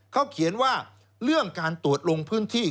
เขาเขียนว่าเรื่องการตรวจลงพื้นที่